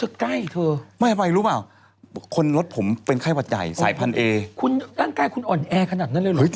วันนี้ผมควรจะเป็นไข้บาดใหญ่ไปเนี่ยตอนเนี้ย